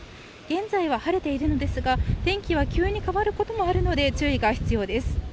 現在は晴れているんですが天気は急に変わることもあるので注意が必要です。